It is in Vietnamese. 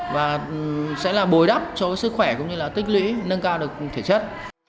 và sẽ là bồi đắp cho sức khỏe cũng như là tích lũy nâng cao được thể chất